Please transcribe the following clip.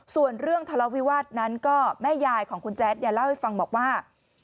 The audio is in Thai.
ส่วนเรื่องทะเลาวิวาสนั้นก็แม่ยายของคุณแจ๊ดเนี่ยเล่าให้ฟังบอกว่า